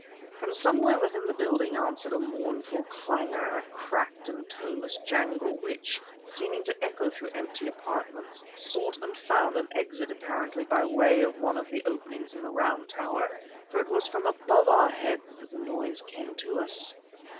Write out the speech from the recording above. From somewhere within the building answered a mournful clangor, a cracked and toneless jangle, which, seeming to echo through empty apartments, sought and found an exit apparently by way of one of the openings in the round tower; for it was from above our heads that the noise came to us.